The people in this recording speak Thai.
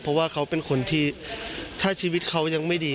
เพราะว่าเขาเป็นคนที่ถ้าชีวิตเขายังไม่ดี